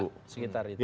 ya sekitar itu